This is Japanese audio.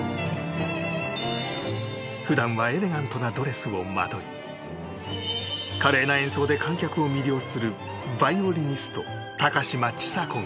普段はエレガントなドレスをまとい華麗な演奏で観客を魅了するヴァイオリニスト高嶋ちさ子が